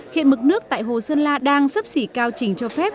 hiện mực nước tại hồ sơn la đang sấp xỉ cao trình cho phép